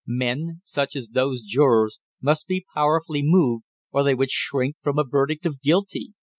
Men, such as those jurors, must be powerfully moved or they would shrink from a verdict of guilty!